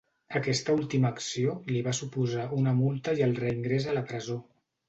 Aquesta última acció li va suposar una multa i el reingrés a la presó.